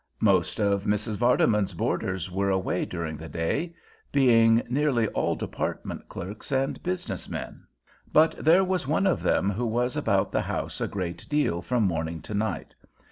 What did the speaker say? Most of Mrs. Vardeman's boarders were away during the day, being nearly all department clerks and business men; but there was one of them who was about the house a great deal from morning to night.